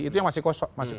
itu yang masih kosong